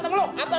apa lagi biam kuda